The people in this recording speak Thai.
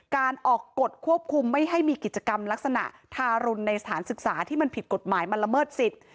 การออกกฎควบคุมไม่ให้มีกิจกรรมลักษณะทารุณในสถานศึกษาที่มันผิดกฎหมายมันละเมิดสิทธิ์